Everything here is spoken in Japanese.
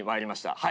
はい。